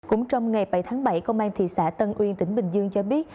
cũng trong ngày bảy tháng bảy công an thị xã tân uyên tỉnh bình dương cho biết